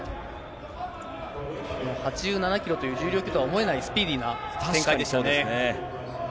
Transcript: ８７キロという重量級とは思えないスピーディーな展開でしたよね。